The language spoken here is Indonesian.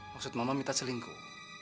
maksud mama mita selingkuh